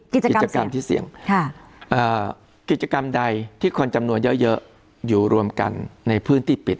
กิจกรรมที่เสี่ยงกิจกรรมใดที่คนจำนวนเยอะอยู่รวมกันในพื้นที่ปิด